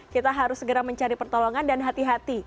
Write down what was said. kita harus segera mencari pertolongan dan hati hati